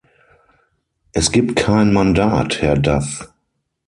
Es gibt kein Mandat, Herr Duff.